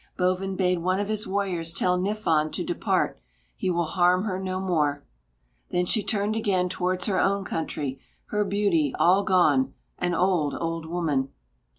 Bovin bade one of his warriors tell Niffon to depart; he will harm her no more. Then she turned again towards her own country, her beauty all gone, an old old woman.